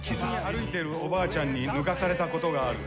歩いているおばあちゃんに抜かされた事がある。